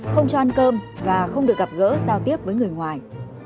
không cho ăn cơm và không được gặp gỡ giao tiếp với người ngoài